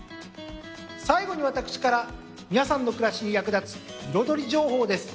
最後に私から皆さんの暮らしに役立つ彩り情報です。